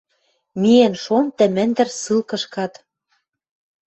Миэн шон тӹ мӹндӹр ссылкышкат.